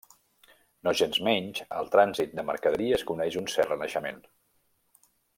Nogensmenys, el trànsit de mercaderies coneix un cert renaixement.